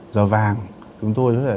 giờ vàng chúng tôi có thể